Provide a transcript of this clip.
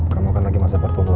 kamu kan lagi masa portual